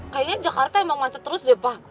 kayaknya jakarta yang mau macet terus deh pa